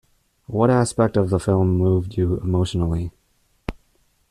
What aspect of the film moved you emotionally?